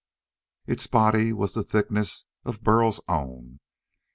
Its body was the thickness of Burl's own.